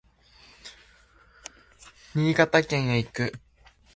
新潟県へ行く